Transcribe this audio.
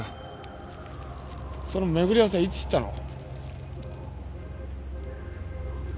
その巡り合わせはいつ知ったの？